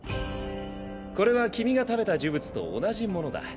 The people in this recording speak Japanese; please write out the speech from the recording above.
これは君が食べた呪物と同じものだ。